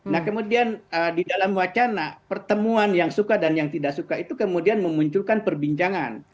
nah kemudian di dalam wacana pertemuan yang suka dan yang tidak suka itu kemudian memunculkan perbincangan